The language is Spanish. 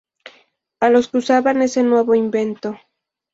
a los que usaban ese nuevo invento